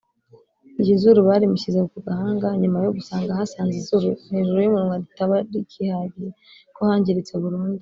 Iryo zuru barimushyize ku gahanga nyuma yo gusanga hasanzwe izuru hejuru y’umunwa ritaba rikihagiye kuko hangiritse burundu